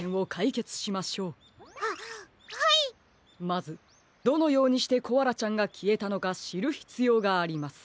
まずどのようにしてコアラちゃんがきえたのかしるひつようがあります。